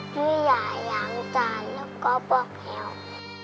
ช่วยใหญ่อย่างการแล้วก็บอกแฮลล์